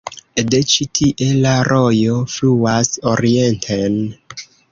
De ĉi tie la rojo fluas orienten.